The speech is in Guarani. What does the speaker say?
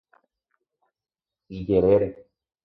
Ijerére.